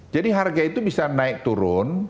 jadi harga itu bisa naik turun